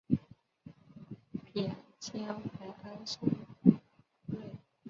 贬监怀安商税。